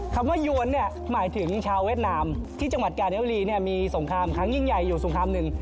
คำว่ายวนเนี่ยหมายถึงชาวเวียดนามที่จังหวัดกาญวรีมีสงครามครั้งยิ่งใหญ่อยู่สงครามหนึ่ง